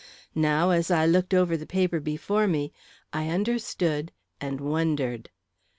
Now, as I looked over the paper before me, I understood and wondered.